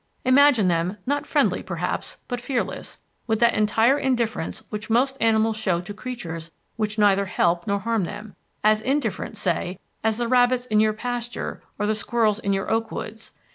Imagine them not friendly, perhaps, but fearless, with that entire indifference which most animals show to creatures which neither help nor harm them as indifferent, say, as the rabbits in your pasture or the squirrels in your oak woods.